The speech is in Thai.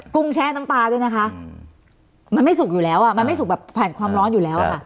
ุ้งแช่น้ำปลาด้วยนะคะมันไม่สุกอยู่แล้วอ่ะมันไม่สุกแบบผ่านความร้อนอยู่แล้วอะค่ะ